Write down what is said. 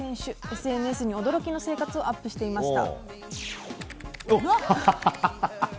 ＳＮＳに驚きの生活をアップしていました。